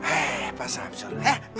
eh pak sampson